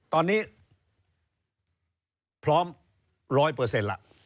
ตอนนี้พร้อม๑๐๐ละ